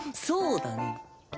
そうだね。